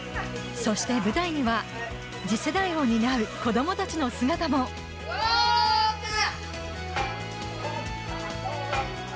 そして舞台には次世代を担う子供たちの姿もうごくな！